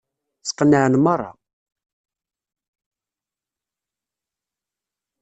Sqenɛen meṛṛa.